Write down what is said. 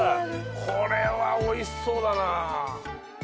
これは美味しそうだなあ。